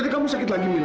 jadi kamu sakit lagi mila